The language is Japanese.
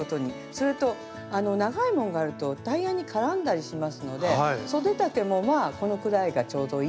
それと長いものがあるとタイヤに絡んだりしますのでそで丈もこのくらいがちょうどいいかなみたいなことで。